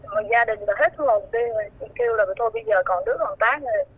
mà gia đình là hết thu hồn đi rồi chị kêu là thôi bây giờ còn nước còn tát nè